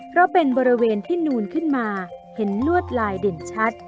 เพราะเป็นบริเวณที่นูนขึ้นมาเห็นลวดลายเด่นชัด